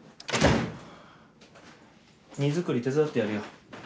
荷造り手伝ってやるよ。